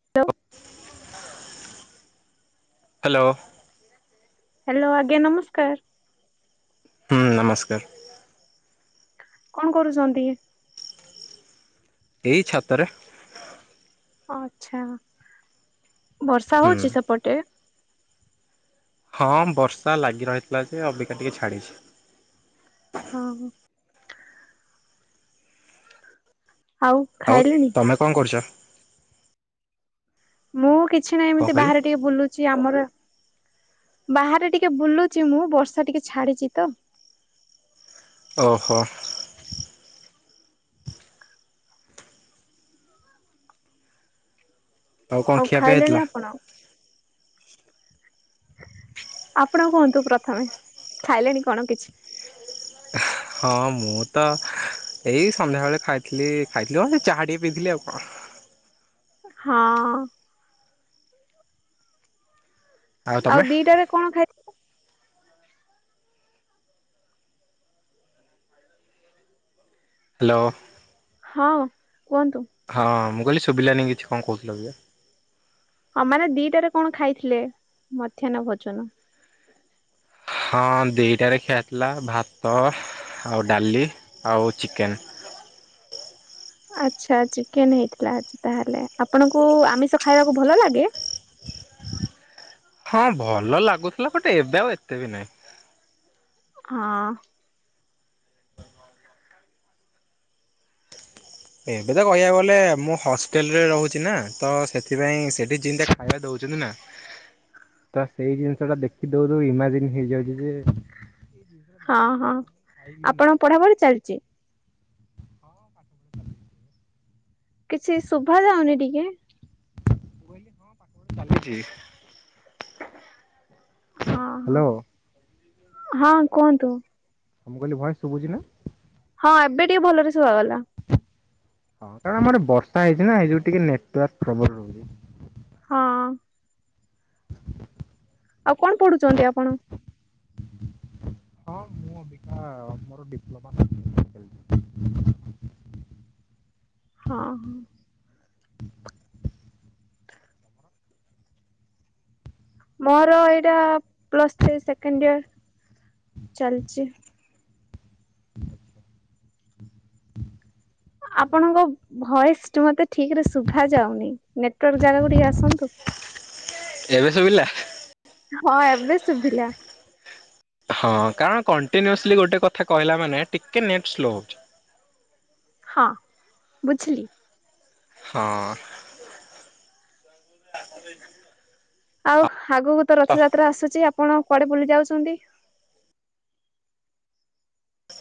[inaudible] Hello. Hello ଆଜ୍ଞା ନମସ୍କାର। ହୁଁ ନମସ୍କାର। କଣ କରୁଛନ୍ତି? ଏଇ ଛାତରେ। ଆଛା ବର୍ଷା ହୁଁ ହଉଛି ସେପଟେ? ହଁ ବର୍ଷା ଲାଗି ରହିଥିଲା ଯେ ଅବିକା ଟିକେ ଛାଡ଼ିଛି। ହଁ। ଆଉ ତମେ କଣ କରୁଛ? ମୁଁ କିଛି ନାହିଁ କଣ ଏମିତି କହିଲେ ବାହାରେ ଟିକେ ବୁଲୁ। ଚି ଆମର ବାହାରେ ଟିକେ ବୁଲୁଚି ମୁଁ ବର୍ଷା ଟିକେ ଛାଡିଚି ତ। ଓହୋ। କଣ ଆଉ ଖିଆପିଆ ଖାଇଲେଣି ହେଇଥିଲା? ଆପଣ? ଆପଣ କୁହନ୍ତୁ ପ୍ରଥମେ। ଖାଇଲେଣି କଣ କିଛି? ହଁ ମୁଁ ତ ଏଇ ସନ୍ଧ୍ୟାବେଳେ ଖାଇଥିଲି ଖାଇଥିଲି କଁ ସେଇ ଚାହା ଟିକେ ପିଇଥିଲି ଆଉ କଁ। ହଁ। ଆଉ ଦିଟାରେ କଣ ଖାଇ ହ୍ୟାଲୋ। ହଁ କୁହନ୍ତୁ। ହଁ ମୁଁ କହିଲି ଶୁଭିଲାନି କିଛି କଣ କହୁଥିଲ କି। ହଁ ମାନେ ଦିଟାରେ କଣ ଖାଇଥିଲେ ମଧ୍ୟାହ୍ନ ଭୋଜନ। ହଁ ଦି ଟାରେ ଖିଆ ହେଇଥିଲା ଭାତ ଆଉ ଡାଲି ଆଉ ଚିକେନ୍। ଆଚ୍ଛା ଚିକେନ ହେଇଥିଲା ଆଜି ତାହେଲେ ଆପଣଙ୍କୁ ଆମିଷ ଖାଇବାକୁ ଭଲ ଲାଗେ। ହଁ ଭଲ ଲାଗୁଥିଲା ବଟ୍ ଏବେ ଆଉ ଏତେ ବି ନାହିଁ। ହଁ। ଏବେ ତ କହିବାକୁ ଗଲେ ମୁଁ ହଷ୍ଟେଲରେ ରହୁଛି ନା ତ ସେଥିପାଇଁ ସେଠି ଯିଁତିଆ ଖାଇବା ଦେଉଛନ୍ତି ନା। ହୁଁ ତ ସେଇ ଜିନିଷ ଟା ଦେଖି ଦଉ ଦଉ ଇମାଜିନ୍ ହେଇଯାଉଛି ଯେ। [inaudible] ପଢ଼ା ପଢ଼ି ଚାଲିଛି। ହଁ ପାଠ ପଢା କିଛି ଶୁଭା ଯାଉନି ଟିକେ। ମୁଁ କହିଲି ପାଠ ହଁ ଚାଲିଛି। ହଁ ହଁ ହ୍ୟାଲୋ ହଁ କୁହନ୍ତୁ। ମୁଁ କିହିଲି ଭଏସ୍ ଶୁଭୁଚି ନା। ହଁ ଏବେ ଟିକେ ଭଲରେ ଶୁଭାଗଲା। ହଁ କାରଣ ଆମ ଆଡେ ବର୍ଷା ହେଇଛି ନା ସେଇ ଯୋଉ ଟିକେ ନେଟୱର୍କ ଟ୍ରବୁଲ ରହୁଛି। ହଁ। ଆଉ କଣ ପଢୁଛନ୍ତି ଆପଣ। ହଁ ମୁଁ ଅବିକା ମୋର ଡିପ୍ଲୋମା [inaudible] ହଁ ହଁ। ମୋର ଏଇଟା ପ୍ଲସ୍ ଥ୍ରୀ ସେକେଣ୍ଡ ଇୟର ଚାଲିଛି। ଆପଣଙ୍କ ଭଏସୁ ମତେ ଠିକ ରେ ଶୁଭା ଯାଉନି ନେଟୱାର୍କ ଜାଗା କୁ ଟିକେ ଆସନ୍ତୁ। ଏବେ ଶୁଭିଲା। ହଁ ଏବେ ଶୁଭିଲା। ହଁ କାରଣ କଣ୍ଟିନ୍ୟୁଅସଲି ଗୋଟେ କଥା କହିଲା ମାନେ ଟିକେ ନେଟ୍ ସ୍ଲୋ ହଉଛି। ହଁ ବୁଝିଲି। ହଁ। ଆଉ ଆଗକୁ ତ ରଥଯାତ୍ରା ଆସୁଛି ଆପଣ କୁଆଡେ ବୁଲି ଯାଉଛନ୍ତି।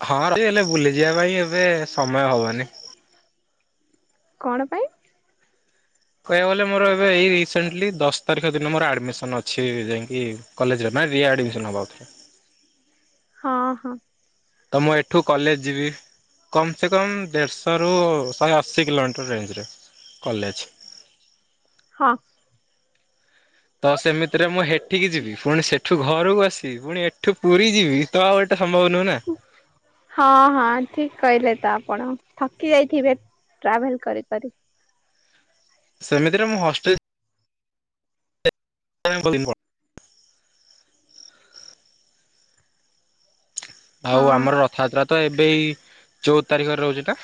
ହଁ ଟ ହେଲେ ବୁଲିଯିବା ପାଇଁ ଏବେ ସମୟ ହବନି। କଣ ପାଇଁ? କହିବାକୁ ଗଲେ ମୋର ଏବେ ଏଇ ରିସେଣ୍ଟଲି ଦଶ ତାରିଖ ଦିନ ମୋର ଆଡମିସନ ଅଛି ଯାଇକି କଲେଜରେ ନା ରିଆ ଆଡ଼ମିସନ୍ ହବ ଆଉଥରେ। ହଁ ହଁ। ତ ମୁଁ ଏଠୁ କଲେଜ ଯିବି। କମ୍ ସେ କମ୍ ଦେଢ଼ଶହରୁ ଶହେ ଅଶୀ କିଲୋମିଟର ରେଞ୍ଜରେ କଲେଜ। ହଁ। ତ ସେମିତିରେ ମୁଁ ହେଠିକି ଯିବି ପୁଣି ସେଠ ଏଠୁ ଘରକୁ ଆସିବି ପୁଣି ଏଠୁ ପୁରୀ ଯିବି ତ ଆଉ ଏଟା ସମ୍ଭବ ନୁହେଁ ନା। ହଁ ହଁ ଠିକ କହିଲେ ତ ଆପଣ ଥକି ଯାଇଥିବେ। ଟ୍ରାଭେଲ କରି କରି। ସେମିତିରେ ମୁଁ ହଷ୍ଟେଲ [inaudible] ଆଉ ହଁ। ଆମର ରଥଯାତ୍ରା ତ ଏବେ ଏଇ ଚଉଦ ତାରିଖରେ ରହୁଛି ନା।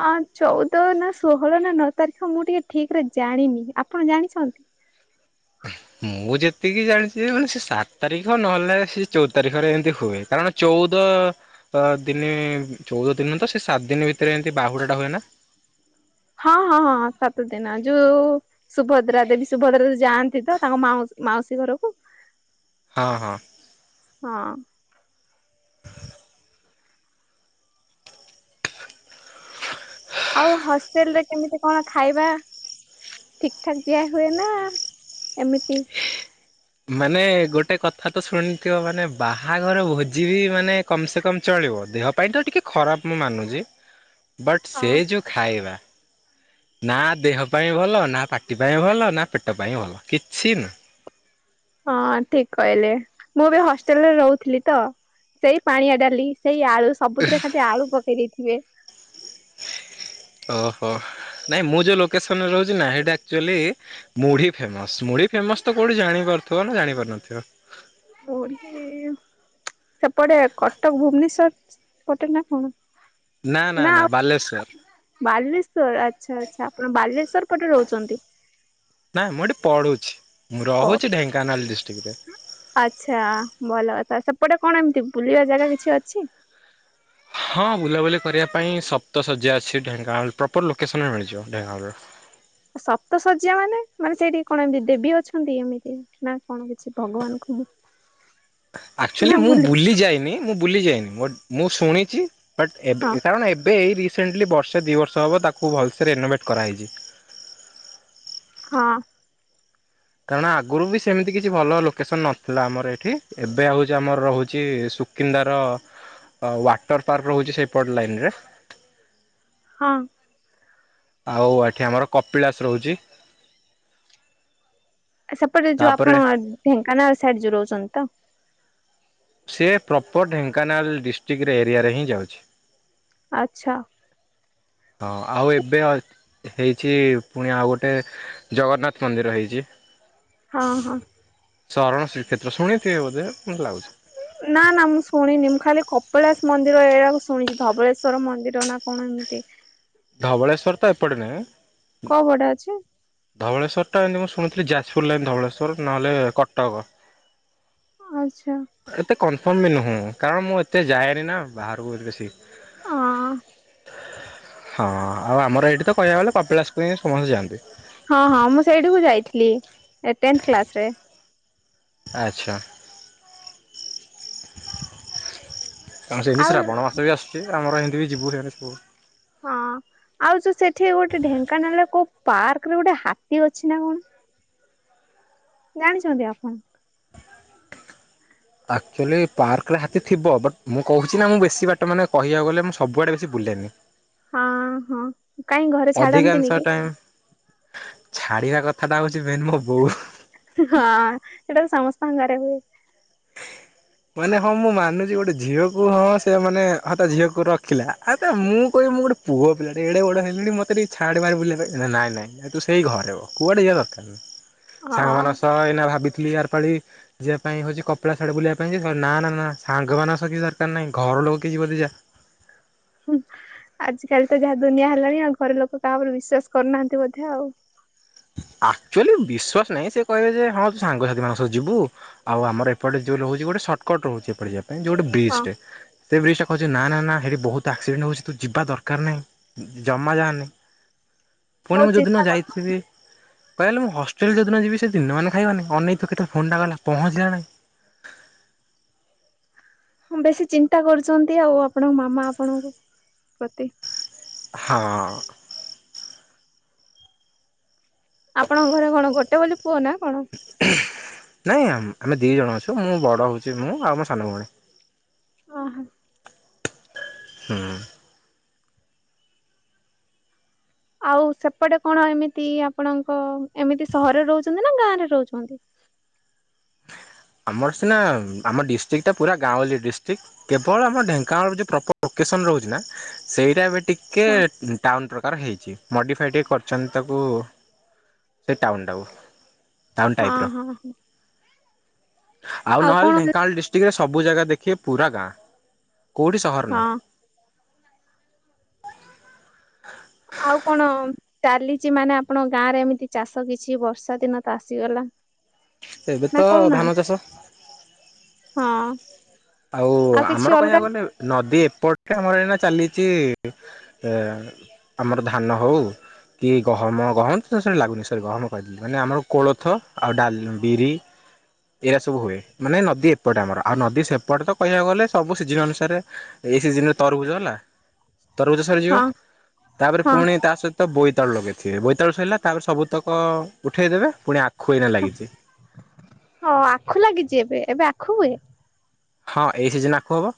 ଅ ଚଉଦ ନା ଷୋହଳ ନା ନଅ ତାରିଖ ମୁଁ ଟିକେ ଠି ରେ ଜାଣିନି ଆପଣ ଜାଣିଛନ୍ତି। ମୁଁ ଯେତିକି ଜାଣିଛି ଯେ ସେ ସାତ ତାରିଖ ନହେଲେ ସେ ଚଉଦ ତାରିଖରେ ଏମିତି ହୁଏ କାରଣ ଚଉଦ ଦିନ ଚଉଦ ଦିନ ହୁଅ ତ ସେ ସାତଦିନ ଭିତରେ ଏମିତି ବାହୁଡ଼ାଟା ହୁଏ ନା। ହଁ ହଁ ହଁ ସାତ ଦିନ ଯୋଉ ସୁଭଦ୍ରା ଦେବୀ ସୁଭଦ୍ରା ଯାଆନ୍ତି ତ ତାଙ୍କ ମାଉୀ ମାଉସୀ ଘରକୁ। ହଁ ହଁ। ହଁ। ଆଉ ହଷ୍ଟେଲରେ କେମିତି କଣ ଖାଇବା? ଠିକ ଠାକ ଦିଆ ହୁଏ ନା ଏମିତି? ମାନେ ଗୋଟେ କଥା ତ ଶୁଣିଥିବ ମାନେ ବାହାଘର ଭୋଜି ବି ମାନେ କମ ସେ କମ ଚଳିବ ଦେହ ପାଇଁତ ଟିକେ ଖରାପ ମୁଁ ମାନୁଛି। [inaudible] ବଟ୍ ସେ ଯେଉଁ ଖାଇବା। ନା ଦେହ ପାଇଁ ଭଲ ନା ପାଟି ପାଇଁ ଭଲ ନା ପେଟ ପାଇଁ ଭଲ କିଛି ନୁହଁ। ହଁ ଠିକ କହିଲେ ମୁଁ ବି ହଷ୍ଟେଲରେ ରହୁଥିଲି ତ। ସେଇ ପାଣିଆ ଡାଲି ସେଇ ଆଳୁ ସବୁଥିରେ ଖାଲି ଆଳୁ ପକେଇ ଦେଇଥିବେ। ଓହୋ ନାଇଁ ମୁଁ ଯୋଉ ଲୋକେସନରେ ରହୁଛି ନା ସେଇଟା ଆକ୍ଚୋଲି ମୁଢି ଫେମସ ମୁଢି ଫେମସ ତ କୋଉଠି ଜାଣିପାରୁଥିବ ନା ଜାଣିପାରୁନଥିବ। ମୁଢ଼ି ସେପଟେ କଟକ ଭୁବନେଶ୍ଵର ପଟେ ନା କଣ? ନା ନା ନା ବାଲେଶ୍ଵର। ବାଲେଶ୍ଵର ଆଚ୍ଛା ଆଚ୍ଛା ଆପଣ ବାଲେଶ୍ଵର ପଟେ ରହୁଛନ୍ତି? ନାଁ ମୁଁ ଏଠି ପଡୁଛି ମୁଁ ରହୁଛି ଢେଙ୍କାନାଳ ଡିଷ୍ଟ୍ରିକ ରେ। ଆଚ୍ଛା ଭଲ କଥା ସେପଟେ କଣ ଏମିତି ବୁଲିବା ଜାଗା କିଛି ଅଛି? ହଁ ବୁଲାବୁଲି କରିବା ପାଇଁଁ ସପ୍ତ ଶଯ୍ୟା ଅଛି ଢେଙ୍କାନାଳ ପ୍ରପର ଲୋକେସନରେ ମିଳିଯିବ ଢେଙ୍କାନାଳର। ସପ୍ତ ଶଯ୍ୟା ମାନେ ମାନେ ସେଇଠି କଣ ଏମିତି ଦେବୀ ଅଛନ୍ତି ଏମିତି? ନା କଣ କିଛି ଭଗବାନଙ୍କୁ ମୁଁ ଆକ୍ଚୋଲି ମୁଁ ବୁଲି ଯାଇନି ମୁଁ ବୁଲି ଯାଇନି ବଟ ମୁଁ ଶୁଣିଛି। ବଟ୍ ହଁ ଏବେ କାରଣ ଏବେ ଏଇ ରିସେଣ୍ଟଲି ବର୍ଷେ ଦିଇ ବର୍ଷ ହବ ତାକୁ ଭଲସେ ରେନୋଭେଟ୍ କରାହେଇଛି। ହଁ। କାରଣ ଆଗରୁ ବି ସେମିତି କିଛି ଭଲ ଲୋକେସନ ନଥିଲା ଆମର ଏଠି ଏବେ ହଉଛି ଆମର ରହୁଛି କିନ୍ଦାର ୱାଟର ପାର୍କ ରହୁଛି ସେଇପଟ ଲାଇନରେ। ହଁ। ଆଉ ଏଠି ଆମର କପିଳାସ ରହୁଛି। ସେପଟେ ଯୋଉ ତାପରେ ଆପଣ ଢେଙ୍କାନାଳ ସାଇଡ ଯୋଉ ରହୁଛନ୍ତି ତ? ସେ ପ୍ରପର ଢେଙ୍କାନାଳ ଡିଷ୍ଟ୍ରିକ୍ଟରେ ଏରିଆରେ ହିଁ ଯାଉଛି। ଆଚ୍ଛା। ହଁ ଆଉ ଏବେ ଅ ହେଇଛି ପୁଣି ଆଉ ଗୋଟେ ଜଗନ୍ନାଥ ମନ୍ଦିର ହେଇଛି। ହଁ ହଁ। ଶରଣ ଶ୍ରୀକ୍ଷେତ୍ର ଶୁଣିଥିବେ ବୋଧେ ମତେ ଲାଗୁଛି। ନା ନା ମୁଁ ଶୁଣିନି ମୁଁ ଖାଲି କପିଳାସ ମନ୍ଦିର ଏଆକୁ ଶୁଣିଛି ଧବଳେଶ୍ଵର ମନ୍ଦିର ନା କଣ ଏମିତି। ଧବଳେଶ୍ୱର ତ ଏପଟେ ନାହିଁ। କୋଉ ପଟେ ଅଛି? ଧବଳେଶ୍ୱର ଟା ଏମିତି ମୁଁ ଶୁଣିଥିଲି ଯାଜପୁର ଲାଇନ୍ ଧବଳେଶ୍ୱର ନହେଲେ କଟକ। ଆଚ୍ଛା। ଏତେ କନଫର୍ମ ବି ନୁହଁ କାରଣ ମୁଁ ଏତେ ଯାଏନି ନା ବାହାରକୁ ବେଶୀ। ହଁ। ହଁ ଆଉ ଆମର ଏଇଠି ତ କହିବାକୁ ଗଲେ କପିଳାସକୁ ହିଁ ସମସ୍ତେ ଯାଆନ୍ତି। ହଁ ହଁ ମୁଁ ସେଇଠିକୁ ଯାଇଥିଲି ଏ ଟେନ୍ଥ କ୍ଲାସ ରେ। ଆଚ୍ଛା। [unintelligible] ଆଉ ଶ୍ରାବଣ ମାସ ବି ଆସୁଛି ଆମର ଏମିତି ବି ଯିବୁ [unintelligible] ହଁ ଆଉ ଯୋଉ ସେଠି ଗୋଟେ ଢେଙ୍କାନାଳ ରେ କୋଉ ପାର୍କ ରେ ଗୋଟେ ହାତୀ ଅଛି ନା କଣ? ଜାଣିଛନ୍ତି ଆପଣ? ଅକ୍ଚୋଲି ପାର୍କରେ ହାତୀ ଥିବ ବଟ୍ ମୁଁ କହୁଛି ନା ମୁଁ ବେଶୀ ବାଟ ମାନେ କହିବାକୁ ଗଲେ ସବୁଆଡ଼େ ବେଶି ବୁଲେନି। ହଁ ହଁ କାଇଁ ଘରେ ଛାଡନ୍ତିନି କି? ଛାଡିବା କଥାଟା ହଉଛି ମେନ୍ ମୋ ବୋଉ ହଁ ସେଇଟା ତ ସମସ୍ତଙ୍କ ଘରେ ହୁଏ। ମାନେ ହଁ ମୁଁ ମାନୁଛି ଗୋଟେ ଝିଅକୁ ହଁ ସେ ମାନେ ହଁ ତା ଝିଅକୁ ରଖିଲା ଆ ମୁଁ ତା କହିବ ମୁଁ ଗୋଟେ ପୁଅ ପିଲାଟେ ଏଡ଼ ବଡ଼ ହେଲିଣି ମୋତେ ଟିକେ ଛାଡ଼େ ଭାଇ ବୁଲିବା ପାଇଁ ନା ନାଇଁ ନାଇଁ ତୁ ସେଇ ଘରେ ବ କୁଆଡେ ଯିବା ଦରକା ହଁ ସାଙ୍ଗମାନଙ୍କ ସହ ଏଇନା ଭାବିଥିଲି ଆର ପାଳି ଯିିବା ପାଇଁ ହଉଛି କପିଳାସ ଆଡେ ବୁଲିବା ପାଇଁ ନା-ନା-ନା ସାଙ୍ଗମାନଙ୍କ ସହ କିଛି ଦରକାର ନାହିଁ ଘର ଲୋକ କିଏ ଯିବ ଯଦି ଯା। ହୁଁ ଆଜିକାଲି ତ ଯାହା ଦୁନିଆ ହେଲାଣି ଆଉ ଘରେ ଲୋକ କାହା ଉପରେ ବିଶ୍ୱାସ କରୁନାହାନ୍ତି ବୋଧେ ଆଉ। ଆକ୍ଚୁଆଲି ବିଶ୍ଵାସ ନାହିଁ ସେ କହିବେ ଯେ ହଁ ତୁ ସାଙ୍ଗସାଥିମାନଙ୍କ ସହ ଯିବୁ ଆଉ ଆମର ଏପଟେ ଯୋଉ ରହୁଛି ଗୋଟେ ସର୍ଟକଟ ରହୁଛି ଏପଟେ ଯିବା ପାଇଁ ଯୋଉ ଗୋଟେ ହଁ ବ୍ରିଜଟେ। ସେ ବ୍ରିଜଟା କହୁଛି ନା-ନା-ନା ସେଇଠି ବହୁତ ଆକ୍ସିଡେଣ୍ଟ ହେଉଛି ତୁ ଯିବା ଦରକାର ନାହିଁ ଜମା ଯାଆନି। ପୁଣି ବହୁତ ମୁଁ ଯୋଉଦିନ ଚିନ୍ତା କର ଯାଇଥିବି କହିଆ ଗଲେ ମୁଁ ହଷ୍ଟେଲ ଯୋଉଦିନ ଯିବି ସେ ଦିନ ମାନ ଖାଇବନି ଅନେଇଥିବ କେତେବେଳେ ଫୋନଟା କଲା ପହଞ୍ଚିଲା ନା ନାହିଁ। ହଁ ବେଶୀ ଚିନ୍ତା କରୁଛନ୍ତି ଆଉ ଆପଣଙ୍କ ମାମା ଆପଣଙ୍କ ପ୍ରତି। ହଁ। ଆପଣଙ୍କ ଘରେ କଣ ଗୋଟେ ବୋଲି ପୁଅ ନା କଣ? ନାଇଁ ଆମ-ଆମେ ଦି ଜଣ ଅଛୁ ମୁଁ ବଡ଼ ହେଉଛି ମୁଁ ଆଉ ମୋ ସାନ ଭଉଣୀ। ଓହୋ ହୁଁ। ଆଉ ସେପଟେ କଣ ଏମିତି ଆପଣଙ୍କ ଏମିତି ସହରରେ ରହୁଚନ୍ତି ନା ଗାଁରେ ରହୁଚନ୍ତି? ଆମର ସିନା ଆମ ଡିଷ୍ଟ୍ରିକ୍ଟଟା ପୁରା ଗାଁଉଲି ଡିଷ୍ଟ୍ରିକ୍ଟ। କେବଳ ଆମ ଢେଙ୍କାନାଳର ଯୋଉ ପ୍ରପର ଲୋକେସନ ରହୁଚିନା ସେଇଟା ଏବେ ଟିକେ ହଁ ଟାଉନ୍ ପ୍ରକାର ହେଇଚି ମଡ଼ିଫାଏ ଟିକେ କରିଚନ୍ତି ତାକୁ ସେ ଟାଉନଟାକୁ। ଟାଉନ୍ ହଁ ଟାଇପର ହଁ। ଆଉ ନହେଲେ ଢେଙ୍କାନାଳ ଡିଷ୍ଟ୍ରିକ୍ଟରେ ସବୁ ଜାଗା ଦେଖିବେ ପୁରା ଗାଁ କୋଉଠି ସହର ହଁ ନୁହଁ। [inaudible] ଆଉ କଣ ଚାଲିଚି ମାନେ ଆପଣଙ୍କ ଗାଁରେ ଏମିତି ଚାଷ କିଛି ବର୍ଷାଦିନତ ଆସିଗଲା? ଏବେ ତ ନା ଧାନ କରୁନାହାନ୍ତି ଚାଷ ହଁ। ଆଉ କିଛି ଆମର ଅଲଗା କହିଆକୁ ଗଲେ ନଦୀ ଏପଟଟା ଆମର ଏଇନା ଚାଲିଚି, ଅଁ ଆମର ଧାନ ହଉ କି ଗହମ ଗହମ ତ ସେଲାଗୁନି ସରି ଗହମ କହିଦେଲି ମାନେ ଆମର କୋଳଥ ଆଉ ଡା ବିରି ଏଇରା ସବୁ ହୁଏ ମାନେ ନଦୀ ଏପଟେ ଆମର ଆଉ ନଦୀ ସେପ ଏପଟେତ କହିବାକୁ ଗଲେ ସବୁ ସିଜିନ ଅନୁସାରେ ଏଇ ସିଜିନରେ ତରଭୁଜ ହେଲା ତରଭୂଜ ସରିଯିବ ହଁ ତାପରେ ହଁ ପୁଣି ତାସହି ତ ବୋଇତାଳୁ ଲଗେଇଥିବେ ବୋଇତାଳୁ ସଇଲା ତାପରେ ସବୁତକ ଉଠେଇଦେବେ ପୁଣି ଆଖୁ ଏଇନା ଲାଗିଚି। ହଁ ଆଖୁ ଲାଗିଚି ଏବେ ଏବେ ଆଖୁ ହୁଏ? ହଁ ଏଇ ସିଜନରେ ଆଖୁ ହବ।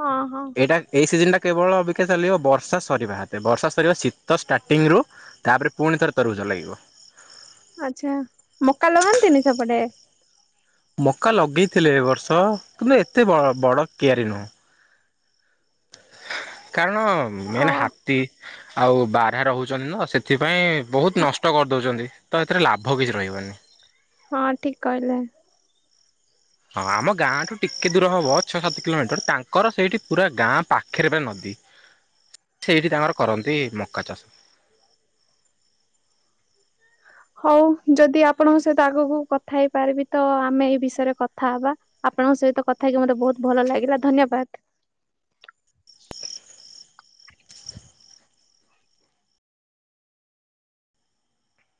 ହଁ ହଁ। ଏଇଟା ଏଇ ସିଜନଟା କେବଳ ଅବିକା ଚାଲିବ ବର୍ଷା ସରିବା ହାତେ ବର୍ଷା ସରିବା ଶୀତ ଷ୍ଟାର୍ଟିଙ୍ଗରୁ ତାପରେ ପୁଣି ଥରେ ତରଭୂଜ ଲାଗିବ। ଆଚ୍ଛା ମକା ଲଗାନ୍ତିନି ସେପଟେ? ମକା ଲଗେଇଥିଲେ ଏବର୍ଷ କିନ୍ତୁ ଏତେ ବ ବଡ଼ କିଆରି ନୁହଁ। କାରଣ ଓ ମେନ୍ ହାତୀ ଆଉ ବାରହା ରହୁଚନ୍ତିତ ସେଥିପାଇଁ ବହୁତ୍ ନଷ୍ଟ କରିଦଉଚନ୍ତି। ତ ଏଥିରେ ଲାଭ କିଛି ରହିବନି। ହଁ ଠିକ୍ କହିଲେ। ହଁ ଆମ ଗାଁଠୁ ଟିକେ ଦୂର ହବ ଛଅ ସାତ କିଲୋମିଟର ତାଙ୍କର ସେଇଠି ପୁରା ଗାଁ ପାଖରେ ପୁରା ନଦୀ। [inaudible] ସେଇଠି ତାଙ୍କର କରନ୍ତି ମକା ଚାଷ। ହଉ ଯଦି ଆପଣଙ୍କ ସହିତ ଆଗକୁ କଥା ହେଇପାରିବିତ ଆମେ ଏଇ ବିଷୟରେ କଥା ହବା। ଆପଣଙ୍କ ସହିତ କଥାହେଇକି ମତେ ବହୁତ୍ ଭଲ ଲାଗିଲା ଧନ୍ୟବାଦ।